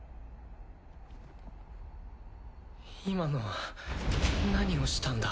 今のは何をしたんだ？